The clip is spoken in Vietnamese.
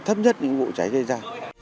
thấp nhất những vụ cháy xảy ra